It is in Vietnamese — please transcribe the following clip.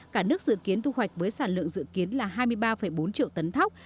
cả nước dự kiến thu hoạch với sản lượng dự kiến là hai mươi ba bốn triệu tấn thóc